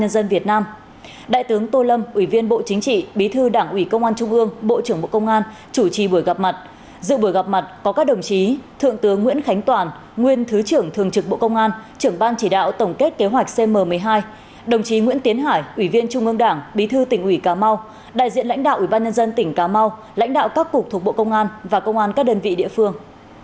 đại diện lãnh đạo ủy ban nhân dân tỉnh cà mau lãnh đạo các cục thuộc bộ công an và công an các đơn vị địa phương